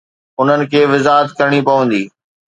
انهن کي وضاحت ڪرڻي پوندي.